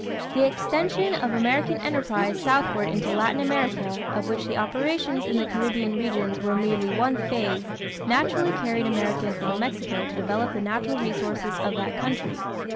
= The extension of American enterprise southward into Latin America, of which the operations in the Caribbean regions were merely one phase, naturally carried Americans into Mexico to develop the natural resources of that country.